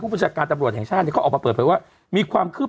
ผู้บริษัทการตำรวจแห่งชาติก็ออกมาเปิดไปว่ามีความคืบ